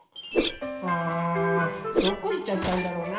ああどこいっちゃったんだろうな